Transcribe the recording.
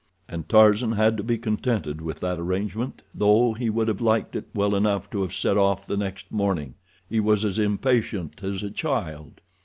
And Tarzan had to be contented with that arrangement, though he would have liked it well enough to have set off the next morning—he was as impatient as a child.